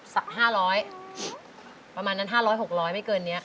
ห้าร้อยประมาณนั้นห้าร้อยหกร้อยไม่เกินเนี้ย